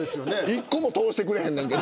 １個も通してくれへんねんで？